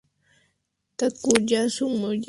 Takuya Sugiyama